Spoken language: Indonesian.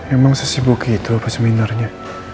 emang sesibuk gitu apa seminarnya